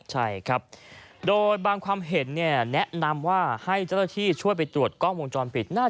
ใช่ครับโดยบางความเห็นเนี่ยแนะนำว่าให้เจ้าหน้าที่ช่วยไปตรวจกล้องวงจรปิด